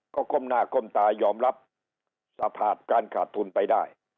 ก็ก้มหน้าก้มตายอมรับสภาพการขาดทุนไปได้